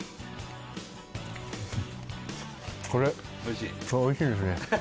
これおいしいですねおいしい？